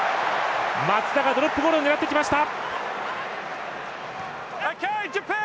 松田がドロップゴール狙ってきました。